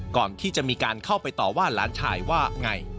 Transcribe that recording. ก่อนที่จะมีการเข้าไปต่อว่าหลานชายว่าไง